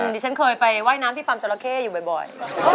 ดิฉันเคยไปว่ายน้ำที่ฟาร์มจราเข้อยู่บ่อย